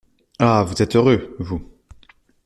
Ah ! vous êtes heureux, vous !